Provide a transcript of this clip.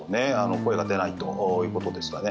声が出ないということでしたね。